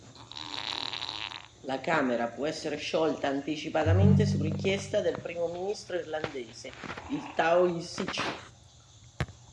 La camera può essere sciolta anticipatamente su richiesta del primo ministro irlandese, il Taoiseach.